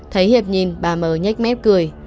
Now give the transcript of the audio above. thấy hiệp nhìn ba mơ nhách mép cười